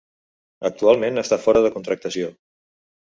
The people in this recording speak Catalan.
Actualment està fora de contractació.